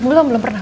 belum belum pernah